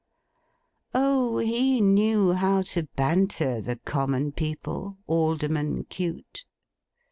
O, he knew how to banter the common people, Alderman Cute!